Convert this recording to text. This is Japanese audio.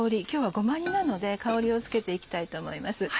今日はごま煮なので香りをつけて行きたいと思います。